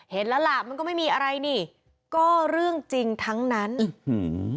เห็นแล้วล่ะมันก็ไม่มีอะไรนี่ก็เรื่องจริงทั้งนั้นอื้อหือ